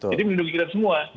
jadi melindungi kita semua